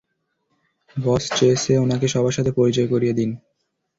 বস চেয়েছে ওনাকে সবার সাথে পরিচয় করিয়ে দিন।